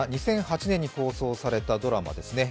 ２００８年に放送されたドラマですね。